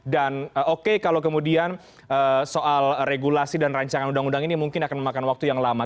dan oke kalau kemudian soal regulasi dan rancangan undang undang ini mungkin akan memakan waktu yang lama